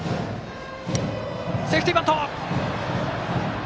セーフティーバントできた。